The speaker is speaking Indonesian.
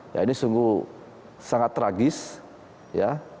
ya ini sungguh sangat tragis ya